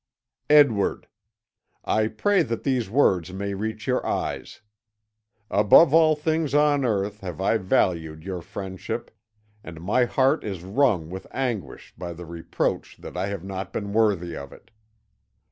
"Edward: "I pray that these words may reach your eyes. Above all things on earth have I valued your friendship, and my heart is wrung with anguish by the reproach that I have not been worthy of it.